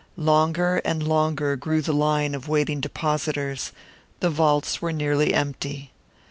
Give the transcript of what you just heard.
Longer and longer grew the line of waiting depositors; the vaults were nearly empty.